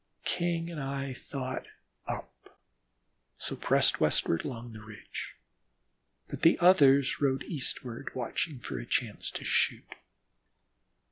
King and I thought "up," so pressed westward along the ridge. But the others rode eastward, watching for a chance to shoot.